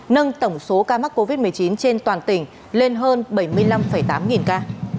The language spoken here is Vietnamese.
nâng tổng số ca mắc covid một mươi chín trên toàn tỉnh lên hơn bảy mươi năm tám nghìn ca